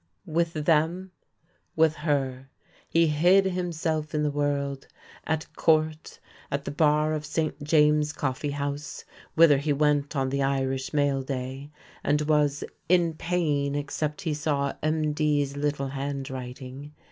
With them with her he hid himself in the world, at Court, at the bar of St. James's coffee house, whither he went on the Irish mail day, and was "in pain except he saw MD's little handwriting."